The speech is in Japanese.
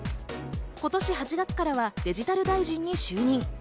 今年８月からはデジタル大臣に就任。